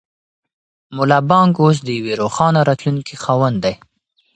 ملا بانګ اوس د یوې روښانه راتلونکې خاوند دی.